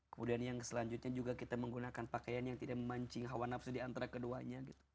kemudian yang selanjutnya juga kita menggunakan pakaian yang tidak memancing hawa nafsu diantara keduanya